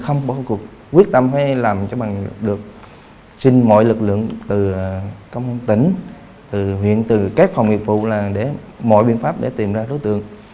không có cuộc quyết tâm hay làm cho bằng được xin mọi lực lượng từ công an tỉnh từ huyện từ các phòng nghiệp vụ là để mọi biện pháp để tìm ra đối tượng